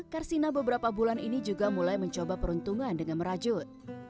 karsina beberapa bulan ini juga mulai mencoba peruntungan dengan merajut